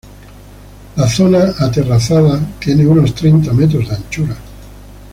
La zona aterrazada tiene unos treinta metros de anchura.